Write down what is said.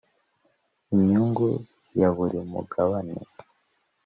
Inyungu ya buri mugabane